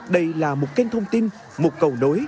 đây là một kênh thông tin một cầu nối